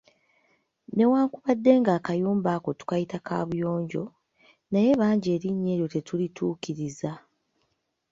Newankubadde nga akayumba ako tukayita kaabuyonjo, naye bangi erinnya lyako tetulituukiriza.